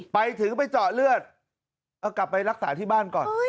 ไปถึงไปเจาะเลือดเอากลับไปรักษาที่บ้านก่อน